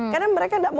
karena mereka nggak mau